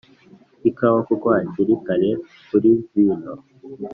ikawa, kuko hakiri kare kuri vino.